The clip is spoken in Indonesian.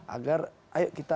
agar ayo kita mundur kembali